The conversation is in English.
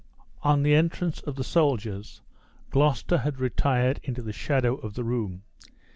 On the entrance of the soldiers, Gloucester had retired into the shadow of the room.